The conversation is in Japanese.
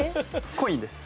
コインです。